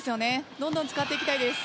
どんどん使っていきたいです。